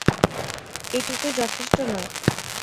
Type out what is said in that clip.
এটুকুই যথেষ্ট নয়।